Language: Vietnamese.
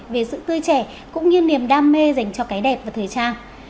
về sự tươi trẻ cũng như niềm đam mê dành cho cái đẹp và thời trang